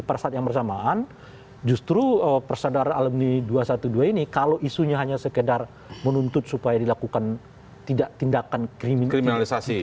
pada saat yang bersamaan justru persadaran alamni dua satu dua ini kalau isunya hanya sekedar menuntut supaya dilakukan tidak tindakan kriminalisasi